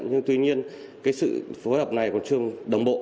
nhưng tuy nhiên cái sự phối hợp này còn chưa đồng bộ